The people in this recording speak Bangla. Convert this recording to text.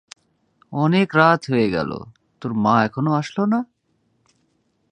অনেক রাত হয়ে গেল, তোর মা এখনো আসলো না?